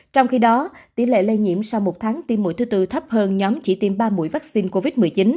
trong khi đó tỷ lệ lây nhiễm sau một tháng tiêm mũi thứ tư thấp hơn nhóm chỉ tiêm ba mũi vaccine covid một mươi chín